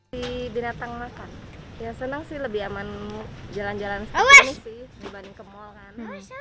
di binatang makan ya senang sih lebih aman jalan jalan sahur ini sih dibanding ke mall kan